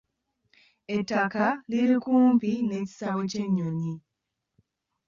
Ettaka liri kumpi n'ekisaawe ky'ennyonyi.